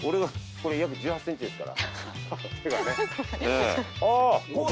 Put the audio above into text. これ約１８ｃｍですから。